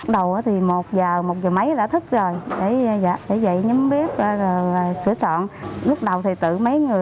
đầu thì một giờ một giờ mấy là thức rồi để dậy nhắm bếp rồi sửa soạn lúc đầu thì tự mấy người